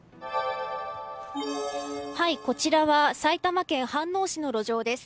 こちらは埼玉県飯能市の路上です。